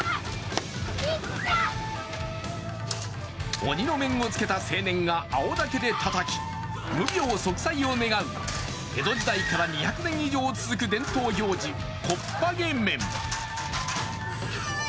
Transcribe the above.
鬼の面をつけた青年が青竹でたたき、無病息災を願う江戸時代から２００年以上続く伝統行事、こっぱげ面。